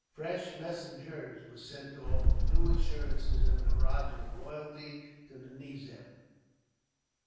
Fresh messengers were sent off, with new assurances of the rajah's loyalty to the nizam.